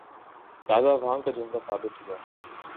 تازہ ہوا کا جھونکا ثابت ہوا